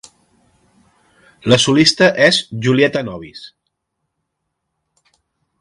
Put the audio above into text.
La solista és Julietta Novis.